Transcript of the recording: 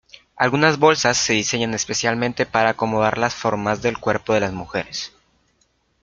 Algunas bolsas se diseñan especialmente para acomodar las formas del cuerpo de las mujeres.